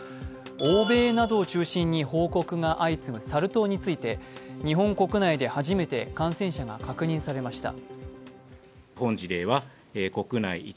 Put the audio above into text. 欧米などを中心に報告が相次ぐサル痘について、日本国内で初めて感染者が確認されました。